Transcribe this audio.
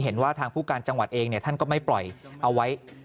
เห็นว่าทางผู้การจังหวัดเองท่านก็ไม่ปล่อยเอาไว้